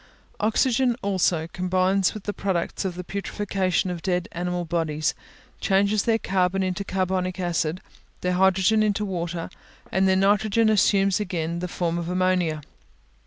Oxygen, also, combines with the products of the putrefaction of dead animal bodies, changes their carbon into carbonic acid, their hydrogen into water, and their nitrogen assumes again the form of ammonia.